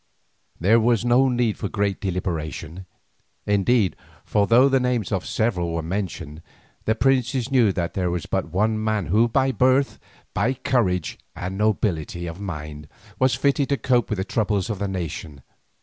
There was no great need of deliberation, indeed, for though the names of several were mentioned, the princes knew that there was but one man who by birth, by courage, and nobility of mind, was fitted to cope with the troubles of the nation.